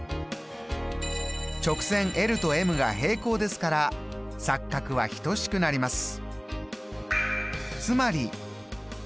直線ｌとｍが平行ですから錯角は等しくなります。